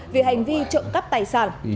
vì hành vi trộm cắp tài sản